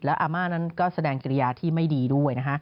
แล้วอามานั้นก็แสดงเกรียร์ที่ไม่ดีด้วย